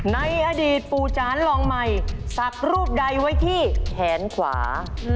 ในอดีตปู่จานลองใหม่สักรูปใดไว้ที่แขนขวา